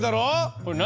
これ何？